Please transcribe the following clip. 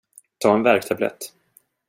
Ta en värktablett.